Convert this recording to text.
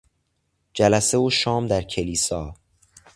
جلسه و شام در کلیسا